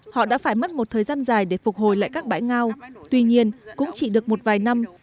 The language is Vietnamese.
họ đã phải mất một thời gian dài để phục hồi lại các bãi ngao tuy nhiên cũng chỉ được một vài năm